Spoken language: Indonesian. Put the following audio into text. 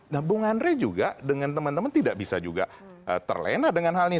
nah bung andre juga dengan teman teman tidak bisa juga terlena dengan hal ini